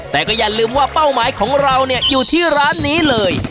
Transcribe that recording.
แต่ก็อย่าลืมว่าเป้าหมายของเราเนี่ยอยู่ที่ร้านนี้เลย